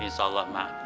insya allah mak